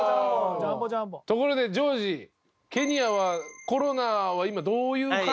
ところでジョージケニアはコロナは今どういう感じなんでしょうか？